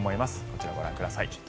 こちらをご覧ください。